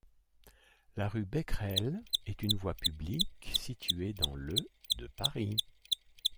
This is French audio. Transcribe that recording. La rue Becquerel est une voie publique située dans le de Paris.